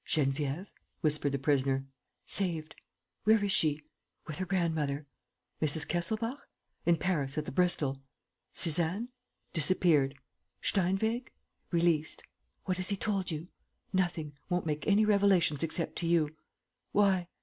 "Geneviève?" whispered the prisoner. "Saved. ..." "Where is she?" "With her grandmother." "Mrs. Kesselbach?" "In Paris, at the Bristol." "Suzanne?" "Disappeared." "Steinweg?" "Released." "What has he told you?" "Nothing. Won't make any revelations except to you." "Why?"